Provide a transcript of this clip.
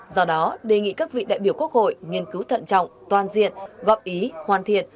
do đó đề nghị các vị đại biểu quốc hội nghiên cứu thận trọng toàn diện góp ý hoàn thiện